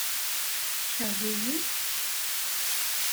Tekreḥ-iyi?